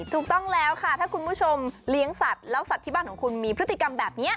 ถูกต้องแล้วค่ะถ้าคุณผู้ชมเลี้ยงสัตว์แล้วสัตว์ที่บ้านของคุณมีพฤติกรรมแบบนี้